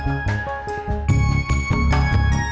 jill selalu pingin karir